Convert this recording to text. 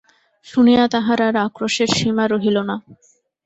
শুনিয়া তাঁহার আর আক্রোশের সীমা রহিল না।